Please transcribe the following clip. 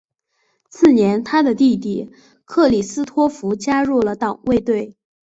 次年他的弟弟克里斯托福加入了党卫队。